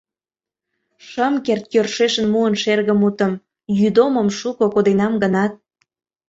Шым керт йӧршешын муын шерге мутым, Йӱдомым шуко коденам гынат.